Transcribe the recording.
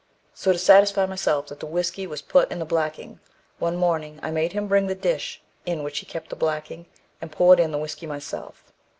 So to satisfy myself that the whiskey was put in the blacking, one morning I made him bring the dish in which he kept the blacking, and poured in the whiskey myself.